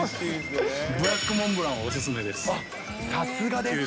ブラックモンブランお勧めです。